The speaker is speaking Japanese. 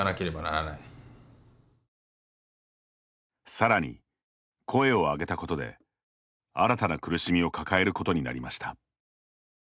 さらに声をあげたことで新たな苦しみを抱えることになりました。